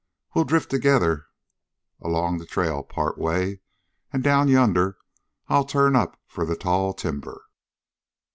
We'll drift together along the trail part way, and down yonder I turn up for the tall timber."